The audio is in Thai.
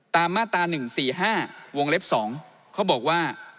มาตรา๑๔๕วงเล็บ๒เขาบอกว่า